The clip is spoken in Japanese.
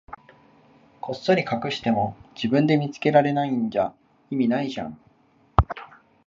こっそり隠しても、自分で見つけられないんじゃ意味ないじゃん。